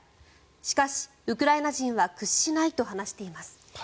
しかし、ウクライナ人は屈しないと話しています。